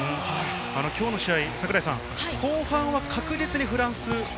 今日の試合、後半は確実にフランス。